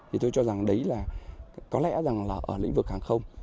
thì tôi cho rằng đấy là có lẽ rằng là ở lĩnh vực hàng không